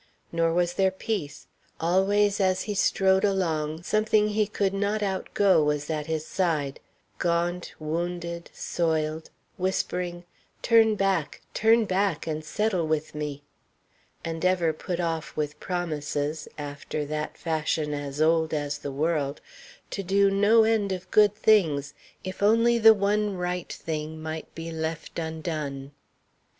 Nor was there peace. Always as he strode along, something he could not outgo was at his side, gaunt, wounded, soiled, whispering: "Turn back; turn back, and settle with me," and ever put off with promises after that fashion as old as the world to do no end of good things if only the one right thing might be left undone.